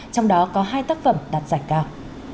trong đó có hai tác phẩm đạt giải cao